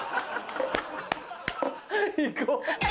行こう。